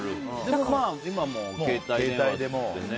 今はもう携帯でね。